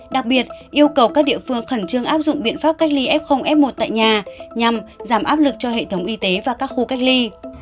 đặc biệt yêu cầu các địa phương khẩn trương áp dụng biện pháp cách ly f f một tại nhà nhằm giảm áp lực cho hệ thống y tế và các khu cách ly